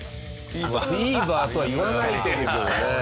フィーバーとは言わないと思うけどね。